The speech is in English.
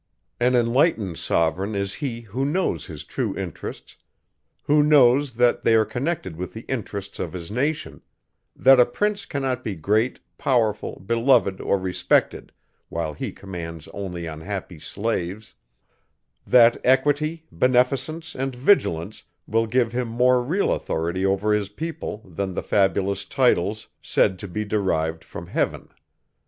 An enlightened sovereign is he, who knows his true interests; who knows, that they are connected with the interests of his nation; that a prince cannot be great, powerful, beloved, or respected, while he commands only unhappy slaves; that equity, beneficence, and vigilance will give him more real authority over his people, than the fabulous titles, said to be derived from heaven.